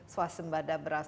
suasen pada beras